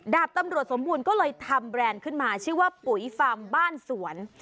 ดาบตำรวจสมบูรณ์ก็เลยทำแบรนด์ขึ้นมาชื่อว่าปุ๋ยฟาร์มบ้านสวน